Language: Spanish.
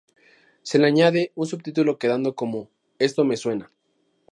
Se le añade un subtítulo quedando como "Esto me suena.